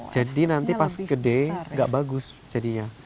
jadi nanti pas gede nggak bagus jadinya